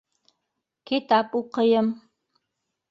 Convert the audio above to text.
— Китап уҡыйым.